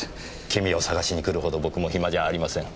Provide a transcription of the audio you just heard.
君を捜しに来るほど僕も暇じゃありません。